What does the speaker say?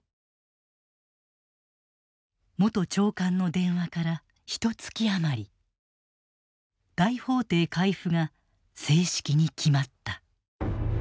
元長官の電話からひとつき余り大法廷回付が正式に決まった。